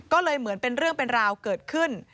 ก็เลยเหมือนเป็นเรื่องเป็นราวเกิดขึ้น